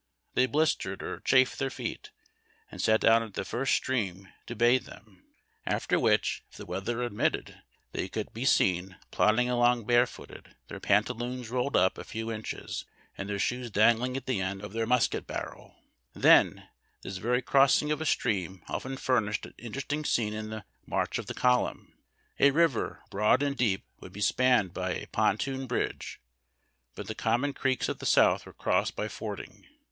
They blistered or chafed their feet and sat down at the first stream to bathe them, A FOOTSORE STRAGGLER. 344 HARD TACK AND COFFEE. after wliicli, if the weather admitted, they could be seen plodding along barefooted, their pantaloons rolled up a few inches, and their shoes dangling at the end of their musket barrel. Then, this very crossing of a stream often furnished an interesting scene in the march of the column. A river broad and deep would be spanned by a pontoon bridge, but the common creeks of the South were crossed by fording.